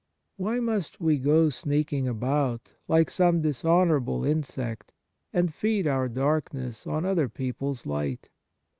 Why must we go sneaking about, like some dishonourable insect, and feed our darkness on other people's light